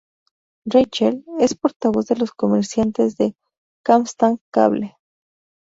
Rachel es portavoz de los comerciales de "Comcast Cable".